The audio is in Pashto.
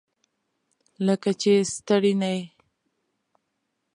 لکه چې ستړی نه یې؟